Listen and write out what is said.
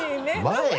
前？